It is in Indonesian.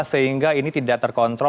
sehingga ini tidak terkontrol